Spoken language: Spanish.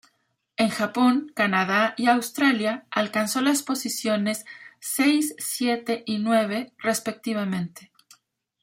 En Japón, Canadá y Australia alcanzó las posiciones seis, siete y nueve, respectivamente.